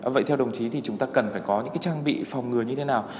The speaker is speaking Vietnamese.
vậy theo đồng chí thì chúng ta cần phải có những trang bị phòng ngừa như thế nào